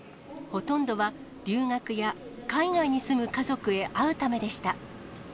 ほとんどは留学や、海外に住む家族へ会うためでした。